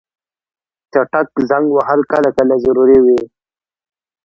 چټک زنګ وهل کله کله ضروري وي.